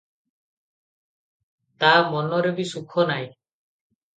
ତା ମନରେ ବି ସୁଖ ନାହିଁ ।